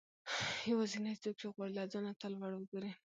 يوازنی څوک چې غواړي له ځانه تا لوړ وګورئ